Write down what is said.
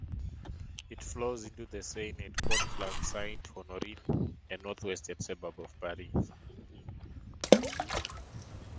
It flows into the Seine at Conflans-Sainte-Honorine, a north-western suburb of Paris.